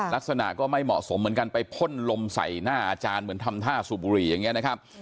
ลักษณะก็ไม่เหมาะสมเหมือนกันไปพ่นลมใส่หน้าอาจารย์เหมือนทำท่าสูบบุหรี่อย่างนี้นะครับ